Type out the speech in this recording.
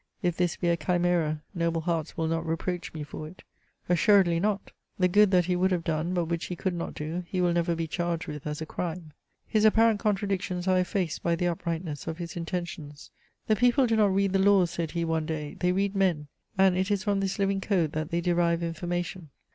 If this be a chimera, noble hearts will not reproach me for it.'* Assuredly not. The good that he would have done, but which he could not do, he will never be charged with as a crime. His apparent contradictions are eifaced by the uprightness of his intentions. " The people do not read the • laws," said he, one day ;" they read men, and it is from this living code that they derive information."